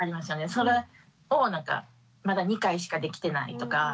それをまだ２回しかできてないとか